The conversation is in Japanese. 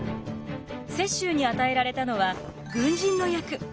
雪洲に与えられたのは軍人の役。